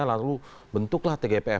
lalu bentuklah tgpf